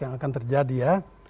yang akan terjadi ya